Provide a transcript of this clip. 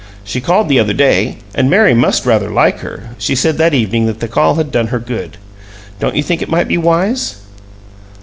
She called the other day, and Mary must rather like her she said that evening that the call had done her good. Don't you think it might be wise?"